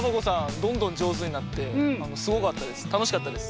どんどんじょうずになってすごかったです。